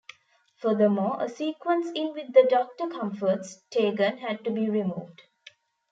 Furthermore, a sequence in which the Doctor comforts Tegan had to be removed.